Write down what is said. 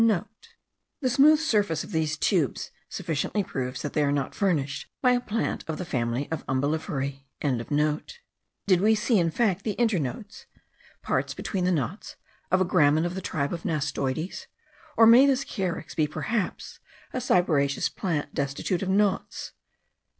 (* The smooth surface of these tubes sufficiently proves that they are not furnished by a plant of the family of umbelliferae.) Did we see in fact the internodes (parts between the knots) of a gramen of the tribe of nastoides? or may this carex be perhaps a cyperaceous plant* destitute of knots?